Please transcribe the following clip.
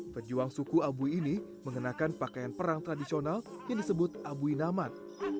pejuang suku abui ini mengenakan pakaian perang tradisional yang disebut abui naman